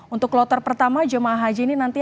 untuk kloter pertama jemaah haji ini nanti